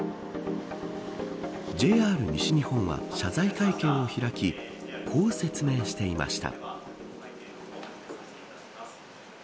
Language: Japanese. ＪＲ西日本は謝罪会見を開きこう説明していました。